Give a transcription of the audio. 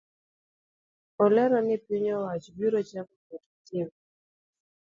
Olero ni piny owacho biro chako keto etim